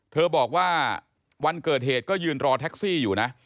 เธอบอกว่าวันเกิดเหตุก็ยืนรอแท็กซี่อยู่นะ